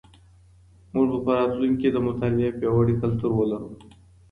مونږ به په راتلونکي کي د مطالعې پياوړی کلتور ولرو.